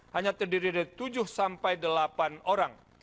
hanya terdiri dari tujuh sampai delapan orang